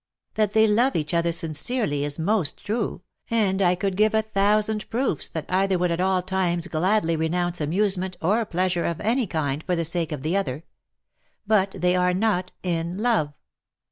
That they love each other sincerely is most true, and I could give a thousand proofs that either would at all times gladly renounce amusement or pleasure of any kind, for the sake of the other; but they are not in love.